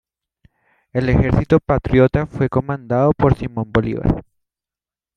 El ejercito patriota fue comandado por Simón Bolívar.